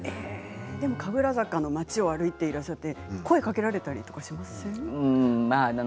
神楽坂の街を歩いていて声をかけられたりしませんか？